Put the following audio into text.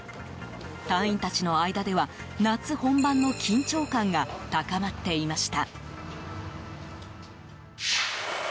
隊員たちの間では夏本番の緊張感が高まっていました。